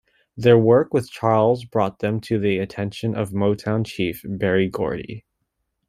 Their work with Charles brought them to the attention of Motown chief Berry Gordy.